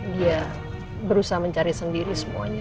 dia berusaha mencari sendiri semuanya